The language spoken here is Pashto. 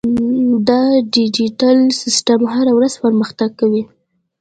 دا ډیجیټل سیستم هره ورځ پرمختګ کوي.